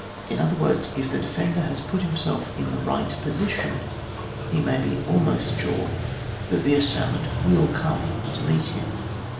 In other words, if the defender has put himself in the right position, he may he almost sure that the assailant will come to meet him.